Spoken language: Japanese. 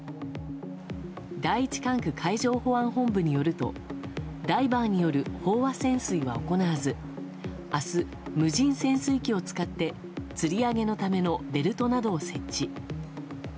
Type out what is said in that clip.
第１管区海上保安本部によるとダイバーによる飽和潜水は行わず明日、無人潜水機を使ってつり上げのためのベルトなどを設置。